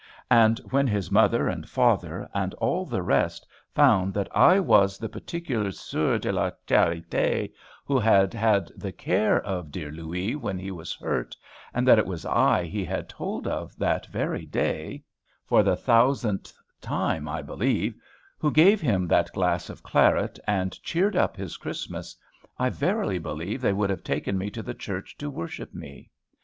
And when his mother and father, and all the rest, found that I was the particular soeur de la charité who had had the care of dear Louis when he was hurt, and that it was I he had told of that very day, for the thousandth time, I believe, who gave him that glass of claret, and cheered up his Christmas, I verily believe they would have taken me to the church to worship me.